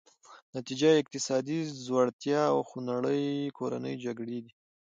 نتیجه یې اقتصادي ځوړتیا او خونړۍ کورنۍ جګړې دي.